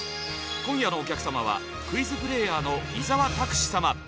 今夜のお客様はクイズプレーヤーの伊沢拓司様。